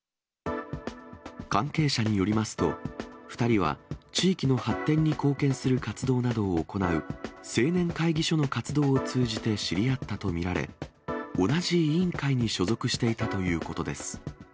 関係者によりますと、２人は地域の発展に貢献する活動などを行う青年会議所の活動を通じて知り合ったと見られ、同じ委員会に所属していたということです。